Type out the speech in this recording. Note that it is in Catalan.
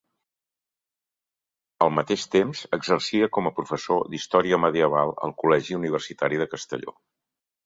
Al mateix temps, exercia com a professor d'Història Medieval al Col·legi Universitari de Castelló.